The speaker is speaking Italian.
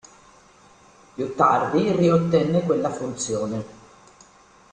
Più tardi riottenne quella funzione.